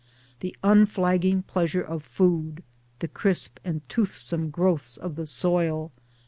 The unflagging pleasure of food, the crisp and tooth some growths of the soil